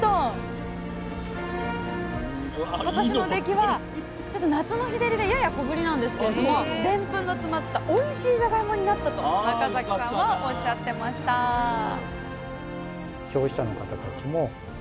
今年の出来は夏の日照りでやや小ぶりなんですけれどもでんぷんの詰まったおいしいじゃがいもになったと中崎さんはおっしゃってましたじゃあ